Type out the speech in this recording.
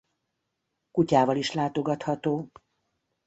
Kutyával is látogatható.